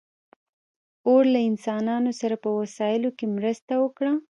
اور له انسانانو سره په وسایلو کې مرسته وکړه.